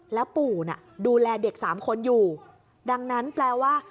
แล้วปู่น่ะดูแลเด็กสามคนอยู่ดังนั้นแปลว่า